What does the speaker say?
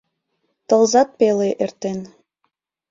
Тылзат пеле эртен.